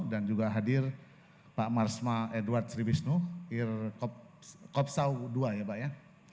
dan juga hadir pak marsma edward sriwisnu irkopsaw dua ya pak ya